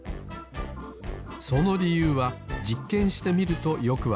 そのりゆうはじっけんしてみるとよくわかります。